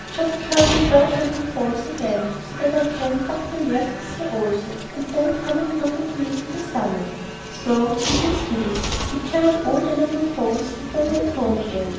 Just kill the twelve little foals again, so that I can suck the mares this year also, and then come and look at me in the summer.' So the youth did it—he killed all the little foals, and then went home again.